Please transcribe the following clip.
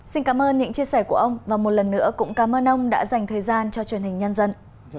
xin cảm ơn những chia sẻ của ông và một lần nữa cũng cảm ơn ông đã dành thời gian cho truyền hình nhân dân